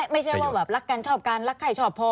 ไม่ใช่ว่าแบบรักกันชอบกันรักใครชอบพอ